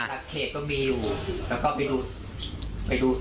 พระเขตก็มีอยู่แล้วก็ไปดูตอนเนี่ยได้เลย